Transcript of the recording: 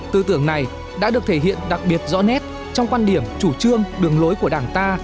tư tưởng này đã được thể hiện đặc biệt rõ nét trong quan điểm chủ trương đường lối của đảng ta